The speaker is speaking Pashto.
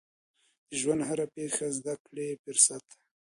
د ژوند هره پیښه زده کړې فرصت دی.